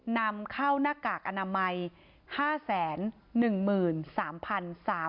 นำเข้าหน้ากากอนามัย๕๑๓๓๐๐บาท